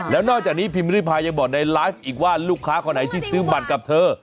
แล้วนอกจากนี้พิมพ์ริพายยังบอกในไลฟ์อีกว่าลูกค้าคนไหนที่ซื้อบัตรกับเธอ